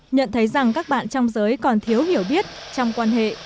nhận thấy rằng các bạn trong giới còn thiếu hiểu biết trong quan hệ